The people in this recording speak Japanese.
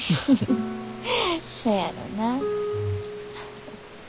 そやろな。